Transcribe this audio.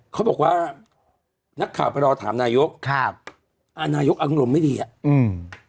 เขาบอกว่านักข่าวไปรอถามนายกครับอ่านายกอารมณ์ไม่ดีอ่ะอืม